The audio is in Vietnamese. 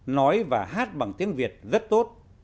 nói và hát bằng tiếng việt rất tốt